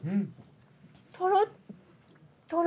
とろとろ。